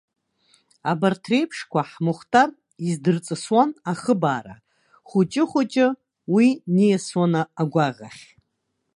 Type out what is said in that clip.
Абарҭ реиԥшқәа ҳмухтар издырҵысуан ахыбаара, хәыҷы-хәыҷы уи ниасуан агәаӷ ахь.